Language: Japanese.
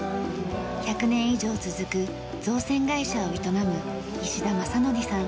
１００年以上続く造船会社を営む石田全功さん。